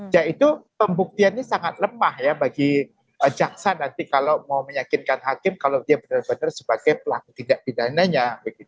ya itu pembuktiannya sangat lemah ya bagi jaksa nanti kalau mau meyakinkan hakim kalau dia benar benar sebagai pelaku tindak pidananya